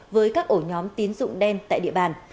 với các ổ nhóm tín dụng đen tại địa bàn